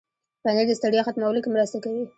پنېر د ستړیا ختمولو کې مرسته کوي.